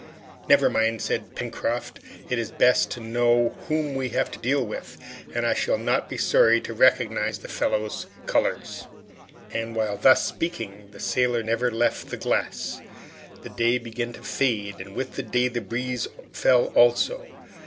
"Never mind!" said Pencroft. "It is best to know whom we have to deal with, and I shall not be sorry to recognize that fellow's colors!" And, while thus speaking, the sailor never left the glass. The day began to fade, and with the day the breeze fell also.